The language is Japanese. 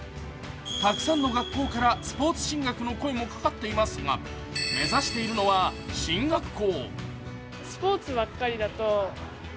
たくさんの学校からスポーツ進学の声もかかっていますが目指しているのは進学校。